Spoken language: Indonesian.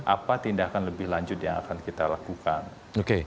apa tindakan lebih lanjut yang akan terjadi